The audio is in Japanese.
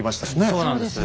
そうなんです。